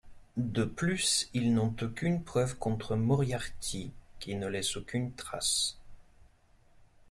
De plus, ils n'ont aucune preuve contre Moriarty, qui ne laisse aucune trace.